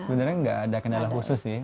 sebenarnya nggak ada kendala khusus sih